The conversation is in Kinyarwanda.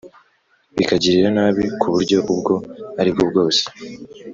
bikagirira nabi ku buryo ubwo aribwo bwose